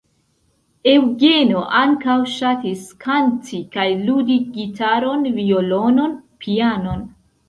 Eŭgeno ankaŭ ŝatis kanti kaj ludi gitaron, violonon, pianon.